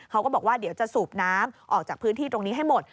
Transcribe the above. เขาก็บอกว่าเดี๋ยวจะสูบน้ำออกจากพื้นที่ตรงนี้ให้หมด